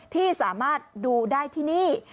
ที่สามารถดูได้ที่นี่